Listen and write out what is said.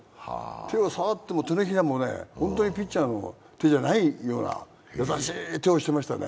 手を触っても手のひらも、本当にピッチャーの手じゃないような優しい手をしていましたね。